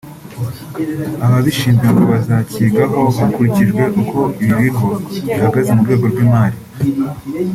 ababishinzwe ngo bazacyigaho hakurikijwe uko ibi bigo bihagaze mu rwego rw’imali